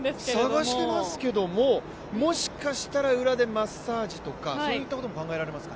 探していますけども、もしかしたら裏でマッサージとか、そういったことも考えられますか？